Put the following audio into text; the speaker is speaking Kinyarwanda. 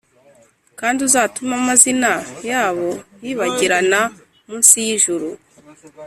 kandi uzatume amazina yabo yibagirana munsi y’ijuru.